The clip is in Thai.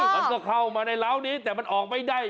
มันก็เข้ามาในร้าวนี้แต่มันออกไม่ได้